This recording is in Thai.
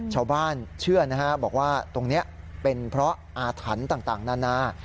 ชาวบ้านเชื่อนะฮะบอกว่าตรงนี้เป็นเพราะอาถรรพ์ต่างนานา